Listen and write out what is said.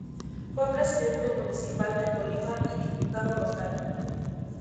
Fue Presidente Municipal de Colima y diputado local.